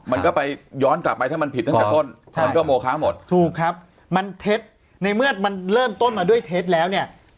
มันก็ไปย้อนกลับไปถ้ามันผิดตั้งแต่ต้นมันก็โมคะหมดถูกครับมันเท็จในเมื่อมันเริ่มต้นมาด้วยเท็จแล้วเนี่ย